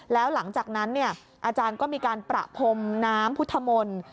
แล้วหลังจากนั้นอาจารย์ก็มีการประพรมน้ำพุทธมนต์